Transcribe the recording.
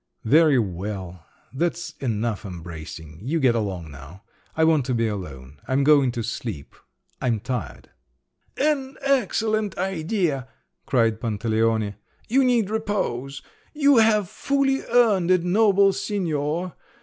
"Very well … that's enough embracing. You get along now. I want to be alone. I'm going to sleep. I'm tired." "An excellent idea!" cried Pantaleone. "You need repose! You have fully earned it, noble signor!